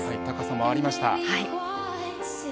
高さもありました。